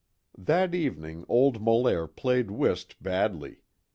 That evening old Molaire played whist badly.